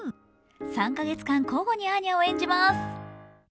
３か月間、交互にアーニャを演じます。